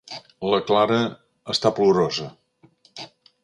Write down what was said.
La Clara està plorosa.